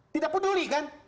tidak peduli kan